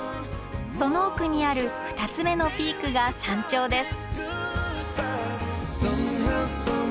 その奥にある２つ目のピークが山頂です。